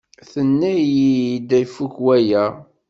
Tenna-iyi-d ifuk waya.